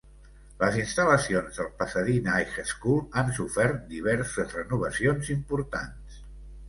Les instal·lacions del Pasadena High School han sofert diverses renovacions importants.